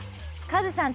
カズさん